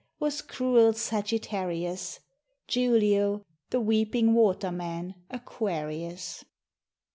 was cruel Sagittarius, Julio the weeping water man Aquarius.